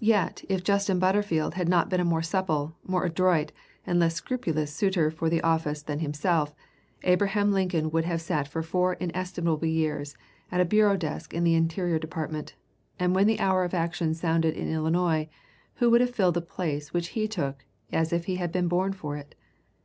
Yet if Justin Butterfield had not been a more supple, more adroit, and less scrupulous suitor for office than himself, Abraham Lincoln would have sat for four inestimable years at a bureau desk in the Interior Department, and when the hour of action sounded in Illinois, who would have filled the place which he took as if he had been born for it?